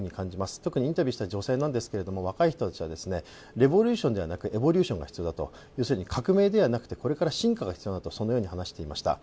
特にインタビューした女性なんですが若い人達はレボリューションではなくエボリューションが必要だと、要するに革命ではなくて、これから進化が必要だと話していました。